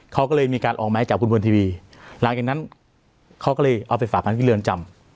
เขาก็เลยมีการออกไม้จับคุณบนทีวีหลังจากนั้นเขาก็เลยเอาไปฝากกันที่เรือนจำ